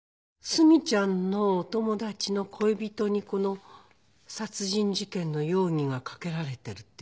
須美ちゃんのお友達の恋人にこの殺人事件の容疑が掛けられてるっていうのね？